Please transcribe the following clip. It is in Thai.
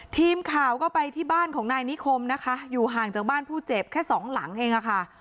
ทีมข่าวก็ไปที่บ้านของนายนิคมนะคะอยู่ห่างจากบ้านผู้เจ็บแค่สองหลังเองค่ะ